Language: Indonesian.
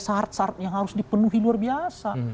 syarat syarat yang harus dipenuhi luar biasa